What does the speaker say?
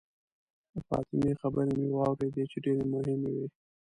د فاطمې خبرې مې واورېدې چې ډېرې مهمې وې.